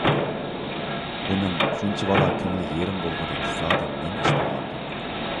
ئۇنىڭ شۇنچىۋالا كۆڭلى يېرىم بولغۇدەك زادى نېمىش بولغاندۇ؟